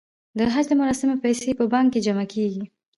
د حج د مراسمو پیسې په بانک کې جمع کیږي.